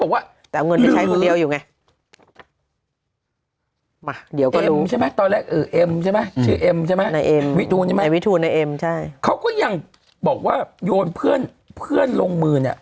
วิทูนใช่ไหมในวิทูนในเอ็มใช่เขาก็ยังบอกว่าโยนเพื่อนเพื่อนลงมือเนี้ย